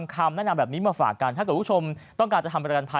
ขอบคุณครับ